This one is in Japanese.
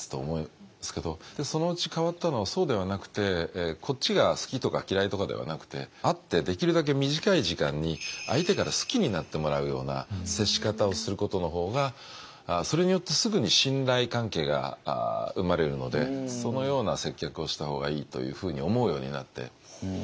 そのうち変わったのはそうではなくてこっちが好きとか嫌いとかではなくて会ってできるだけ短い時間に相手から好きになってもらうような接し方をすることの方がそれによってすぐに信頼関係が生まれるのでそのような接客をした方がいいというふうに思うようになって。